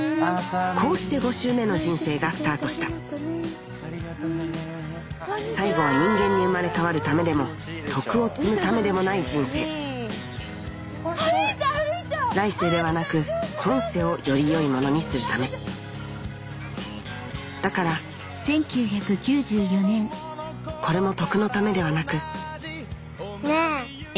こうして５周目の人生がスタートした最後は人間に生まれ変わるためでも徳を積むためでもない人生来世ではなく今世をより良いものにするためだからこれも徳のためではなくねぇ。